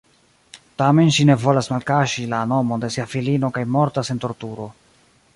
Tamen ŝi ne volas malkaŝi la nomon de sia filino kaj mortas en torturo.